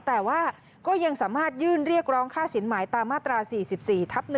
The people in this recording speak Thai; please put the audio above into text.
แต่ว่าก็ยังสามารถยื่นเรียกร้องค่าสินหมายตามมาตรา๔๔ทับ๑